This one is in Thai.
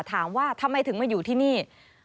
ถามว่าทำไมถึงมาอยู่ที่นี่